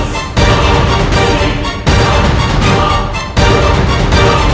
sekarang aku akan menemui ayahandaku